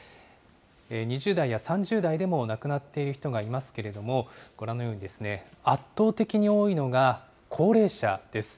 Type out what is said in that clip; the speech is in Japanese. ２０代や３０代でも亡くなっている人がいますけれども、ご覧のように、圧倒的に多いのが高齢者です。